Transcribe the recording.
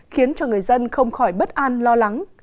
khiến cho người dân không khỏi bất an lo lắng